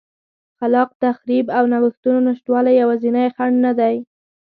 خلاق تخریب او نوښتونو نشتوالی یوازینی خنډ نه دی